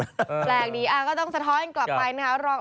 แปลกดีก็ต้องสะท้อนกลับไปนะคะ